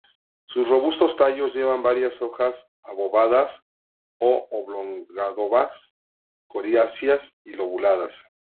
Sus robustos tallos llevan varias hojas obovadas o oblongo-obovadas, coriáceas y lobuladas.